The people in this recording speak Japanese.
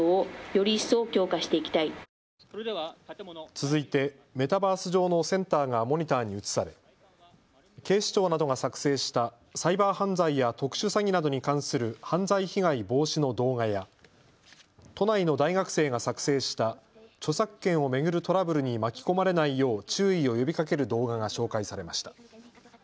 続いてメタバース上のセンターがモニターに映され警視庁などが作成したサイバー犯罪や特殊詐欺などに関する犯罪被害防止の動画や都内の大学生が作成した著作権を巡るトラブルに巻き込まれないよう注意を呼びかける動画が紹介されました。